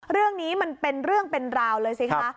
เรื่องนี้มันเป็นเรื่องเป็นราวเลยสิคะ